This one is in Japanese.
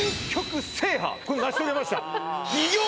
これ成し遂げました